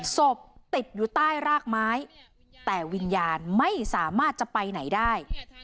ศพติดอยู่ใต้รากไม้แต่วิญญาณไม่สามารถจะไปไหนได้